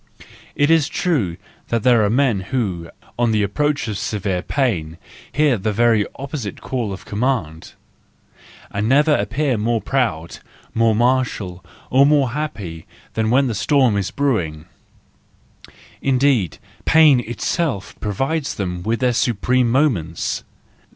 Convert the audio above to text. —It is true that there are men who, on the approach of severe pain, hear the very opposite call of command, and never appear more proud, more martial, or more happy, than when the storm is brewing; indeed, pain itself provides them with their supreme moments!